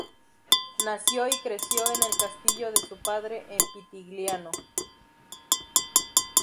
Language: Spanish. Nació y creció en el castillo de su padre en Pitigliano.